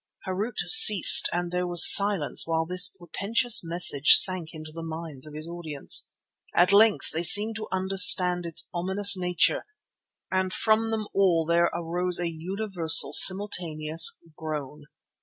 Harût ceased, and there was silence while this portentous message sank into the minds of his audience. At length they seemed to understand its ominous nature and from them all there arose a universal, simultaneous groan.